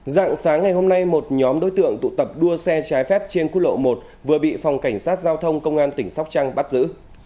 dạng sáng ngày hôm nay một nhóm đối tượng tụ tập đua xe trái phép trên quốc lộ một vừa bị phòng cảnh sát giao thông công an tỉnh sóc trăng bắt giữ